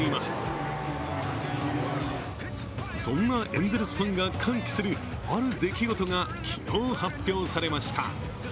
そんなエンゼルスファンが歓喜する、ある出来事が昨日、発表されました。